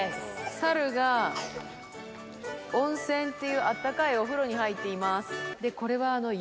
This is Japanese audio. サルが温泉っていうあったかいお風呂に入っています。